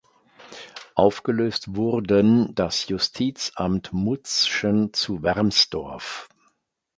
Aufgelöst wurden das Justizamt Mutzschen zu Wermsdorf.